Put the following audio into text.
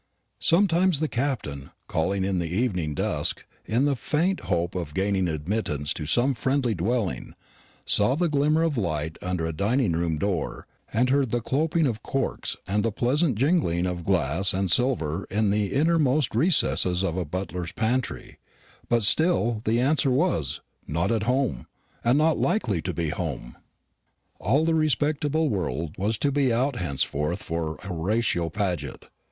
Sometimes the Captain, calling in the evening dusk, in the faint hope of gaining admittance to some friendly dwelling, saw the glimmer of light under a dining room door, and heard the clooping of corks and the pleasant jingling of glass and silver in the innermost recesses of a butler's pantry; but still the answer was not at home, and not likely to be home. All the respectable world was to be out henceforth for Horatio Paget.